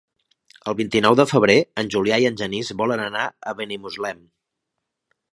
El vint-i-nou de febrer en Julià i en Genís volen anar a Benimuslem.